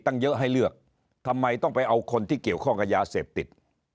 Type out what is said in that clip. ตั้งเยอะให้เลือกทำไมต้องไปเอาคนที่เกี่ยวข้องกับยาเสพติด